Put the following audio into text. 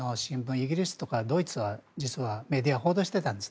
イギリスとかドイツはメディアが報道していたんです。